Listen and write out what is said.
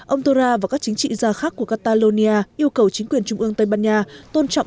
ông tora và các chính trị gia khác của catalonia yêu cầu chính quyền trung ương tây ban nha tôn trọng